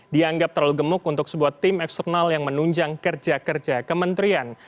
dianggap terlalu gemuk untuk sebuah tim eksternal yang menunjang kerja kerja kementerian